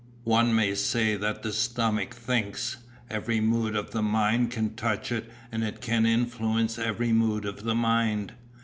One may say that the stomach thinks; every mood of the mind can touch it and it can influence every mood of the mind.